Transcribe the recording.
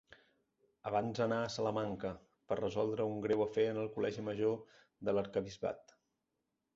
Abans anà a Salamanca per resoldre un greu afer en el col·legi major de l'arquebisbat.